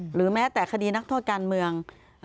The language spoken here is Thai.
หรือแม้แต่คดีนักโทษการเมือง